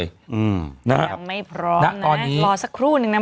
ยังไม่พร้อมนะรอสักครู่นึงนะ